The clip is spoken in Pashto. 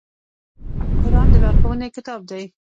قرآن د لارښوونې کتاب دی